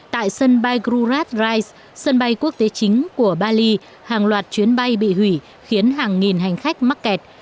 tại sân bay grurat drise sân bay quốc tế chính của bali hàng loạt chuyến bay bị hủy khiến hàng nghìn hành khách mắc kẹt